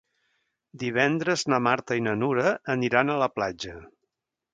Divendres na Marta i na Nura aniran a la platja.